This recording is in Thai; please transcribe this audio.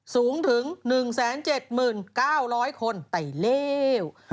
สูงถึง๑๗๙๐๐คนแต่เลว